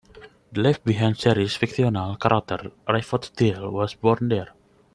The Left Behind series fictional character Rayford Steele was born there.